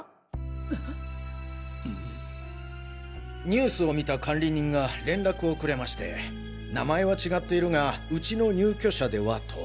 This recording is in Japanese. ニュースを見た管理人が連絡をくれまして名前は違っているがウチの入居者ではと。